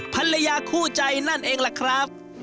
ภรรยาคู่ใจนั่นเองล่ะครับ